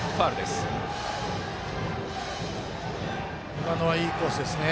今のは、いいコースですね。